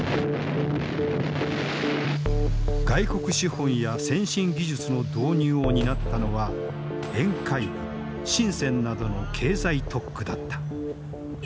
外国資本や先進技術の導入を担ったのは沿海部深などの経済特区だった。